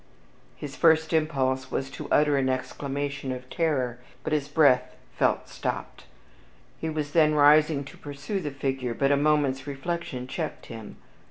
His first impulse was to utter an exclamation of terror, but his breath felt stopped. He was then rising to pursue the figure, but a moment's reflection checked him.